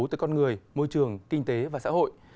tới con người môi trường kinh tế và xã hội